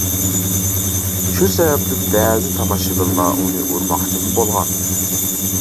شۇ سەۋەبلىك بەزى تاماشىبىنلار ئۇنى ئۇرماقچىمۇ بولغان.